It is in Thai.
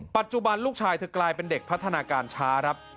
ปัจจุบันลูกชายเธอกลายเป็นเด็กพัฒนาการช้าครับ